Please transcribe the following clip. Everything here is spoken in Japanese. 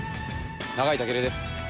永井武尊です。